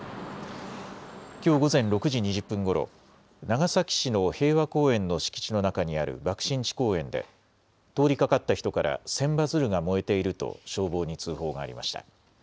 きょう午前６時２０分ごろ長崎市の平和公園の敷地の中にある爆心地公園で通りかかった人から千羽鶴が燃えていると消防に通報がありました。